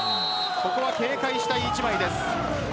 ここは警戒したい１枚です。